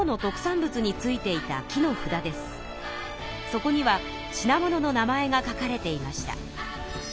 そこには品物の名前が書かれていました。